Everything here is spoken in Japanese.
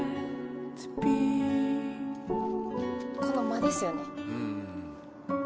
この間ですよね。